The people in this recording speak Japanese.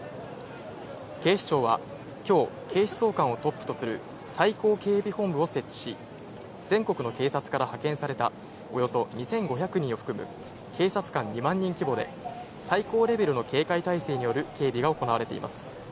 警視庁は今日、警視総監をトップとする最高警備本部を設置し、全国の警察から派遣された、およそ２５００人を含む警察官２万人規模で最高レベルの警戒態勢による警備が行われています。